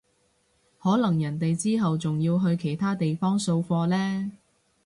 可能人哋之後仲要去其他地方掃貨呢